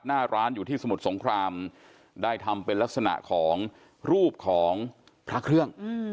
หน้าร้านอยู่ที่สมุทรสงครามได้ทำเป็นลักษณะของรูปของพระเครื่อง